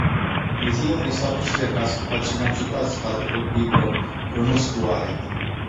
Mezi jeho nejslavnější zakázky patří například skladby pro Kronos Quartet.